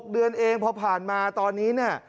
๖เดือนเองพอผ่านมาตอนนี้